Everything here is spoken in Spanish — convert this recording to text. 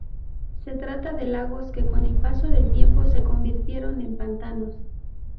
Se trata de lagos que con el paso del tiempo se convirtieron en pantanos.